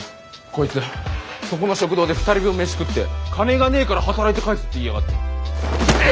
こいつそこの食堂で２人分飯食って「金がねえから働いて返す」って言いやがって。